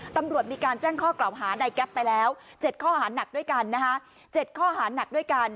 ตำรวจมีการแจ้งข้อกล่าวหานายแก๊ปไปแล้ว๗ข้อหาหนักด้วยกัน